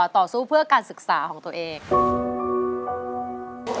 ต่อสู้เพื่อการศึกษาของตัวเอง